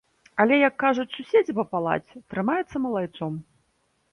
Але, як кажуць суседзі па палаце, трымаецца малайцом.